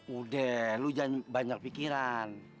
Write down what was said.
udah lu banyak pikiran